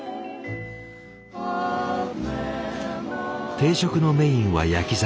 定食のメインは焼き魚。